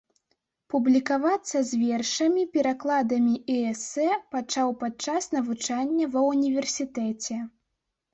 Публікавацца з вершамі, перакладамі і эсэ пачаў падчас навучання ва ўніверсітэце.